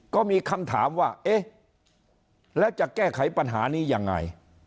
ก็มีคำถามว่าเอ๊ะแล้วจะแก้ไขปัญหานี้ยังไง